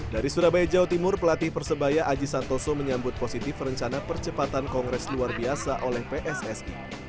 dari surabaya jawa timur pelatih persebaya aji santoso menyambut positif rencana percepatan kongres luar biasa oleh pssi